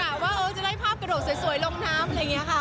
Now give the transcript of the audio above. กลับว่าจะได้ภาพกระโดดสวยลงน้ำ